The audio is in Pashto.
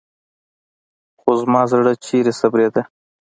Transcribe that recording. خو زما زړه چېرته صبرېده.